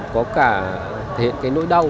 có cả thể hiện cái nỗi đau